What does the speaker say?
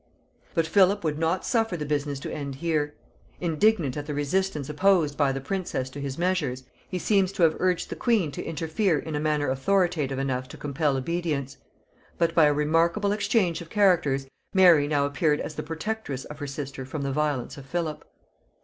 But Philip would not suffer the business to end here. Indignant at the resistance opposed by the princess to his measures, he seems to have urged the queen to interfere in a manner authoritative enough to compel obedience; but, by a remarkable exchange of characters, Mary now appeared as the protectress of her sister from the violence of Philip.